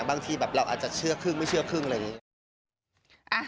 บางทีแบบเราอาจจะเชื่อครึ่งไม่เชื่อครึ่งอะไรอย่างนี้